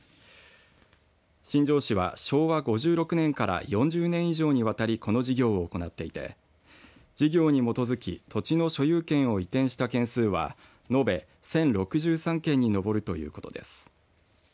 新庄市は昭和５６年から４０年以上にわたりこの事業を行っていて事業に基づき土地の所有権を移転した件数は延べ１０６３件に上るということです。